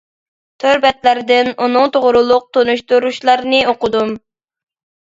تور بەتلەردىن ئۇنىڭ توغرۇلۇق تونۇشتۇرۇشلارنى ئوقۇدۇم.